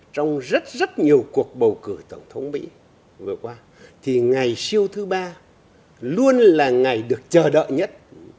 trong rất rất nhiều cuộc bầu cử tổng thống mỹ vừa qua thì ngày siêu thứ ba luôn là ngày được chờ đợi nhất